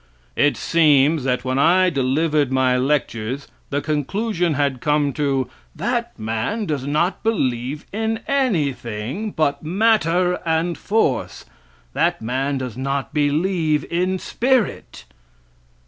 It seems that when I delivered my lectures the conclusion had come to "that man does not believe in anything but matter and force that man does not believe in spirit."